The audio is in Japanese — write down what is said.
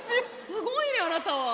すごいねあなたは。